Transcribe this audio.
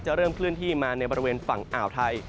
เริ่มเคลื่อนที่มาในบริเวณฝั่งอ่าวไทย